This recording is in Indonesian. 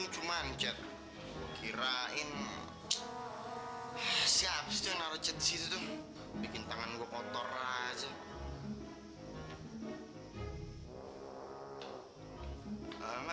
cuman chat kirain siap senarai cc bikin tangan gua motor aja